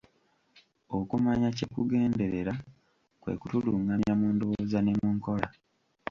Okumanya kye kugenderera kwe kutulungamya mu ndowooza ne mu nkola.